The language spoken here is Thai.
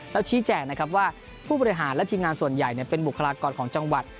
แล้วชี้แจงนะครับว่าผู้บริหารและทีมงานส่วนใหญ่เป็นบุคลากรของจังหวัด